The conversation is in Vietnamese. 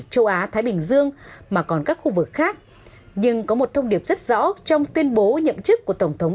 châu á thái bình dương mà còn các khu vực khác nhưng có một thông điệp rất rõ trong tuyên bố nhậm chức của tổng thống